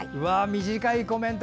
短いコメント。